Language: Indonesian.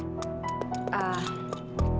terima kasih pak